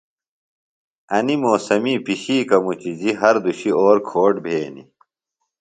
انیۡ موسمی پِشِیکہ مُچِجیۡ ہر دُشی اور کھوٹ بھینیۡ۔